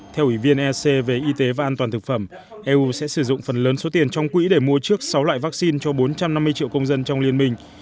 theo ủy viên ec về y tế và an toàn thực phẩm eu sẽ sử dụng phần lớn số tiền trong quỹ để mua trước sáu loại vaccine cho bốn trăm năm mươi triệu công dân trong liên minh